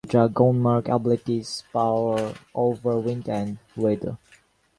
Dragonmark Abilities: power over wind and weather.